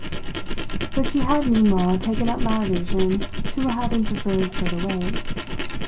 But she had meanwhile taken up my allusion to her having preferred so to wait.